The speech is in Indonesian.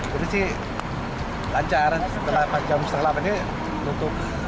ini sih lancar jam setengah delapan ini tutup